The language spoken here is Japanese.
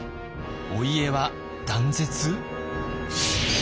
お家は断絶？